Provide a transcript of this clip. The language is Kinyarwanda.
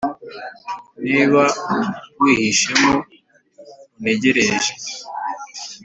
niba wihishemo untegereje